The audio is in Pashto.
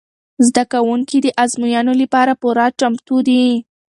زده کوونکي د ازموینو لپاره پوره چمتو دي.